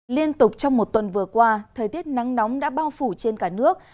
liên tục trong một tuần vừa qua thời tiết nắng nóng đã bao phủ trên cả nước